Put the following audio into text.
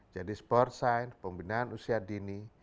jadi sport science pembinaan usia dini